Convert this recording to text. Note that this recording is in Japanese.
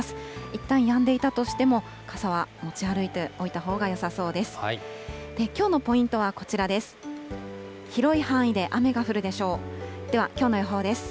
いったんやんでいたとしても、傘は持ち歩いておいたほうがよさそうです。